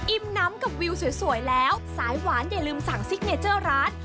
น้ำกับวิวสวยแล้วสายหวานอย่าลืมสั่งซิกเนเจอร์ร้าน